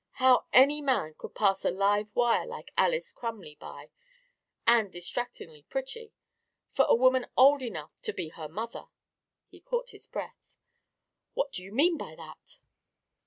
How any man could pass a live wire like Alys Crumley by and distractingly pretty for a woman old enough to be her mother!" He caught his breath. "What do you mean by that?"